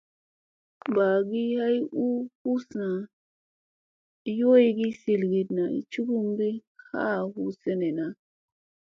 Bagi pussa ay bani i yowgi zirgiɗna cugugina ha hu senena.